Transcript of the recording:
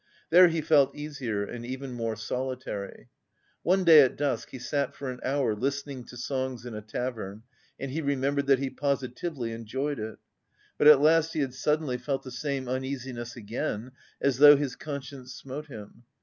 There he felt easier and even more solitary. One day at dusk he sat for an hour listening to songs in a tavern and he remembered that he positively enjoyed it. But at last he had suddenly felt the same uneasiness again, as though his conscience smote him.